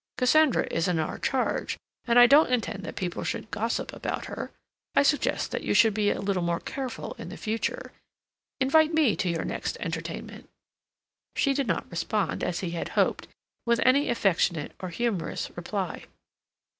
Cassandra is in our charge, and I don't intend that people should gossip about her. I suggest that you should be a little more careful in future. Invite me to your next entertainment." She did not respond, as he had hoped, with any affectionate or humorous reply.